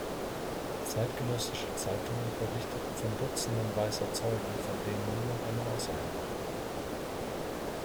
Zeitgenössische Zeitungen berichteten von dutzenden weißer Zeugen, von denen niemand eine Aussage machte.